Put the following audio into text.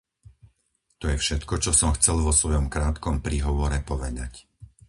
To je všetko, čo som chcel vo svojom krátkom príhovore povedať.